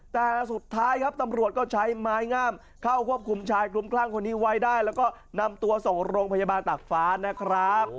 แต่สุดท้ายครับตำรวจก็ใช้ไม้งามเข้าควบคุมชายคลุมคลั่งคนนี้ไว้ได้แล้วก็นำตัวส่งโรงพยาบาลตากฟ้านะครับ